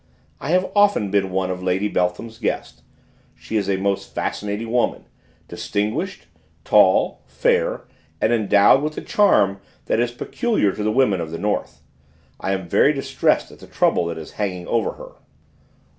I have often been one of Lady Beltham's guests; she is a most fascinating woman, distinguished, tall, fair, and endowed with the charm that is peculiar to the women of the North. I am very distressed at the trouble that is hanging over her."